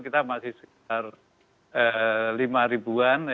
kita masih sekitar lima ribuan